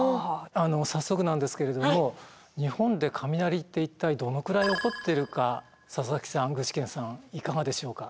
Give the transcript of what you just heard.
早速なんですけれども日本で雷って一体どのくらい起こってるか佐々木さん具志堅さんいかがでしょうか。